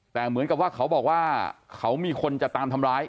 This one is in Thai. แต่เหมือนกับว่าเขาบอกว่าเขามีคนจะตามทำร้าย